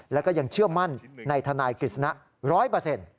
แล้วก็ยังเชื่อมั่นในทนายกฤษณะร้อยเปอร์เซ็นต์